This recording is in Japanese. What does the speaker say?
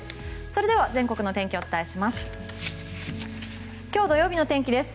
それでは全国の天気をお伝えします。